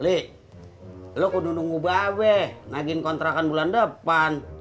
li lu kudu nunggu bawe naging kontrakan bulan depan